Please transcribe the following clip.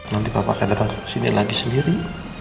nanti bapak akan datang ke sini lagi sendiri